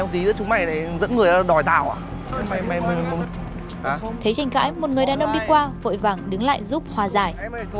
thấy tranh cãi một người đàn ông đi qua vội vàng đứng lại giúp hòa giải